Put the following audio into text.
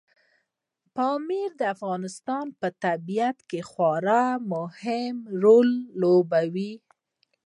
پامیر د افغانستان په طبیعت کې خورا مهم رول لوبوي.